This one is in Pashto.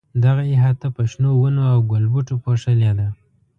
دغه احاطه په شنو ونو او ګلبوټو پوښلې ده.